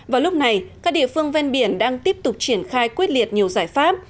vào lúc này các địa phương ven biển đang tiếp tục triển khai quyết liệt nhiều giải pháp